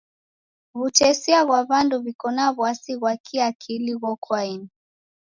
W'utesia ghwa w'andu w'iko na w'asi ghwa kiakili ghokwaeni.